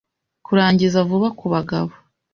kurangiza vuba ku bagabo